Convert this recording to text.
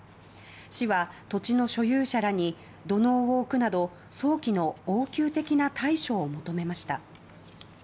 市は土地の所有者らに土のうを置くなど早期の応急的な対処を求めました。